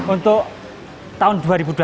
untuk tahun dua ribu dua puluh